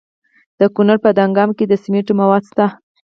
د کونړ په دانګام کې د سمنټو مواد شته.